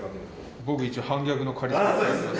僕、一応、反逆のカリスマ。